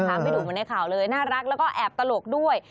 ไม่ดูเหมือนในข่าวเลยน่ารักแล้วก็แอบตลกด้วย